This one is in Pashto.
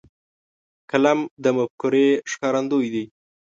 قلم د مفکورې ښکارندوی دی.